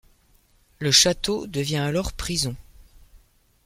Le château devient alors prison.